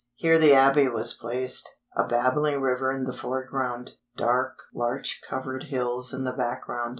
Here the Abbey was placed: a babbling river in the foreground, dark larch covered hills in the background.